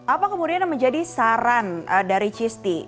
apa kemudian yang menjadi saran dari cisti